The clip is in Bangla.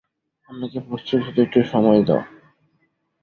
আমাকে প্রস্তুত হতে একটু সময় দাও।